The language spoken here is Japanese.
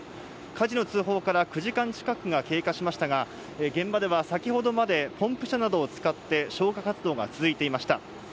火事の通報から９時間近くが経過しましたが、現場では先ほどまでポンプ車などを使って消火活動が続いていました。